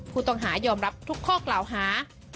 ผู้ต้องหายอมรับทุกข้อกล่าวหา